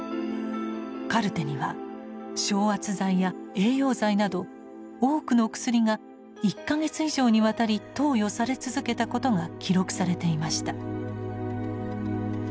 カルテには昇圧剤や栄養剤など多くの薬が１か月以上にわたり投与され続けたことが記録されていました。